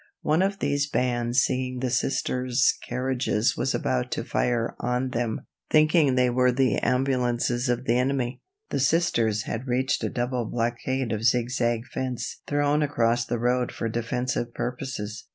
One of these bands seeing the Sisters' carriages was about to fire on them, thinking they were the ambulances of the enemy. The Sisters had reached a double blockade of zigzag fence thrown across the road for defensive purposes.